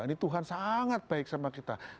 ini tuhan sangat baik sama kita